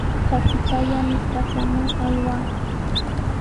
Trakipallami trakraman aywaa.